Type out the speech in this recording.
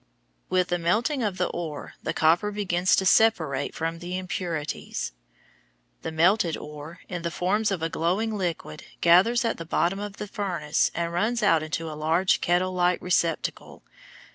With the melting of the ore the copper begins to separate from the impurities. The melted ore, in the form of a glowing liquid, gathers at the bottom of the furnace and runs out into a large kettle like receptacle.